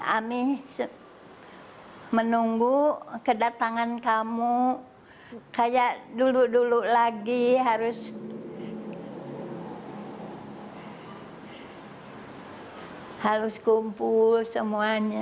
ami menunggu kedatangan kamu kayak dulu dulu lagi harus kumpul semuanya